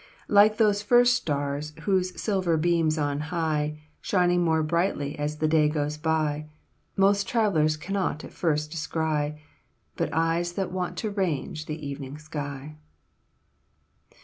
Like those first stars, whose silver beams on high, Shining more brightly as the day goes by, Most travelers cannot at first descry, But eyes that wont to range the evening sky."